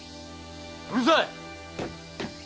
うるさい！